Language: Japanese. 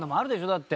だって。